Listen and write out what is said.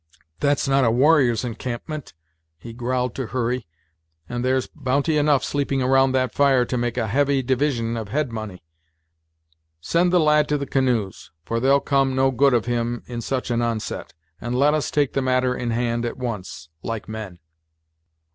"That's not a warrior's encampment," he growled to Hurry; "and there's bounty enough sleeping round that fire to make a heavy division of head money. Send the lad to the canoes, for there'll come no good of him in such an onset, and let us take the matter in hand at once, like men."